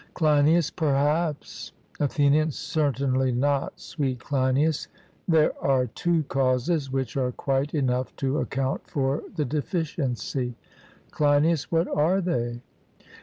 CLEINIAS: Perhaps. ATHENIAN: Certainly not, sweet Cleinias; there are two causes, which are quite enough to account for the deficiency. CLEINIAS: What are they?